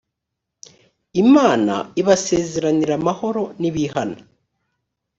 imana ibasezeranira amahoro nibihana